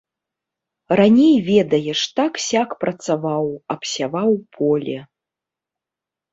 Раней, ведаеш, так-сяк працаваў, абсяваў поле.